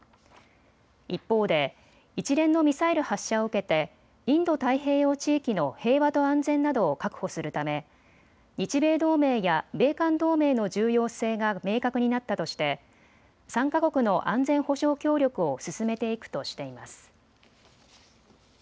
一方で一連のミサイル発射を受けてインド太平洋地域の平和と安全などを確保するため日米同盟や米韓同盟の重要性が明確になったとして３か国の安全保障協力を進めていくとしています。